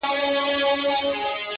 • د انصاف په تله خپل او پردي واړه,